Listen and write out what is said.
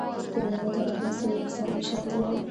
پیریانو ته غزني څه وي افسانوي شالید لري